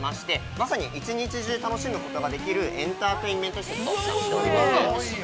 まさに一日中楽しむことができるエンターテインメント施設となっております。